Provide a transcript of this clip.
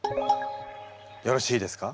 よろしいですか？